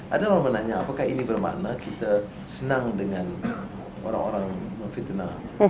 ada orang menanya apakah ini bermakna kita senang dengan orang orang fiturnal